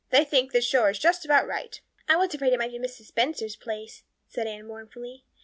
They think this shore is just about right." "I was afraid it might be Mrs. Spencer's place," said Anne mournfully.